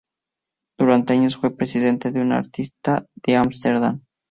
Durante años fue presidente de un artista en Ámsterdam.